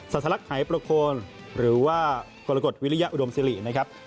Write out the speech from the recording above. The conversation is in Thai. สลักหายประโคนหรือว่ากรกฎวิริยอุดมสิรินะครับ